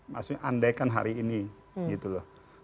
maksudnya andaikan hari ini gitu loh